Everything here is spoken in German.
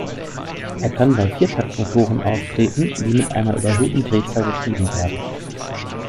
Er kann bei Viertaktmotoren auftreten, die mit einer überhöhten Drehzahl betrieben werden.